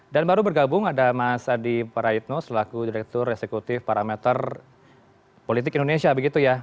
baru bergabung ada mas adi praitno selaku direktur eksekutif parameter politik indonesia begitu ya